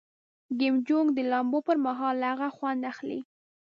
کیم جونګ د لامبو پر مهال له هغه خوند اخلي.